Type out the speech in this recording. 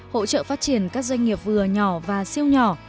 hỗ trợ phát triển các doanh nghiệp vừa nhỏ và siêu nhỏ